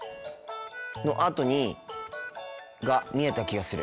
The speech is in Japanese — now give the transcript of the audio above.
のあとにが見えた気がする。